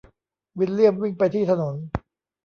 วิลเลียมวิ่งไปที่ถนน